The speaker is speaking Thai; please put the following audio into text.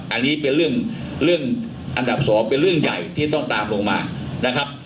อันนี้เป็นเรื่องอันดับสองเป็นเรื่องใหญ่ที่ต้องตามลงมานะครับ